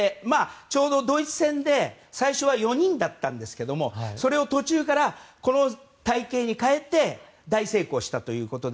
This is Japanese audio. ちょうどドイツ戦で最初は４人だったんですけれどもそれを途中からこの隊形に変えて大成功したということで。